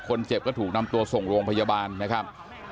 คนเจ็บก็ถูกนำตัวส่งโรงพยาบาลนะครับ